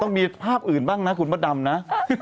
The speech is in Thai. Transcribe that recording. มีภาพอื่นบ้างนะคุณมดดำนะ